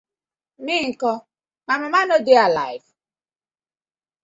Mi nko, my mama no dey alife?